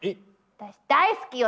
私大好きよ！